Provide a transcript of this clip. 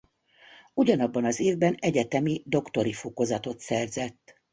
Ugyanabban az évben egyetemi doktori fokozatot szerzett.